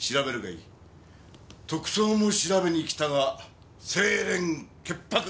特捜も調べに来たが清廉潔白。